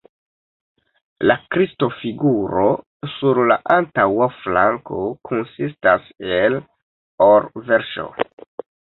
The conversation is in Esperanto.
La Kristo-figuro sur la antaŭa flanko konsistas el or-verŝo.